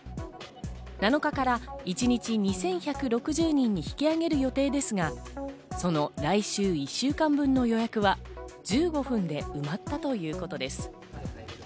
７日から一日２１６０人に引き上げる予定ですが、その来週１週間分の予約は１５分で埋まったということです。